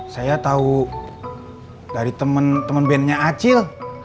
saya tau dari temen temen bandnya acil